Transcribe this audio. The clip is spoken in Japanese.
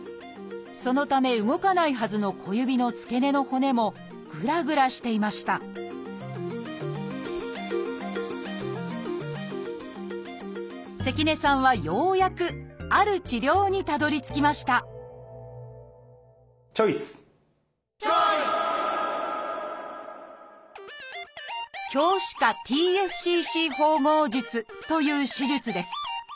そのため動かないはずの小指の付け根の骨もぐらぐらしていました関根さんはようやくある治療にたどりつきましたチョイス！という手術です。